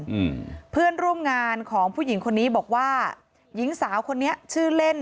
อืมเพื่อนร่วมงานของผู้หญิงคนนี้บอกว่าหญิงสาวคนนี้ชื่อเล่น